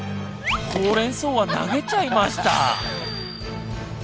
ほうれんそうは投げちゃいました。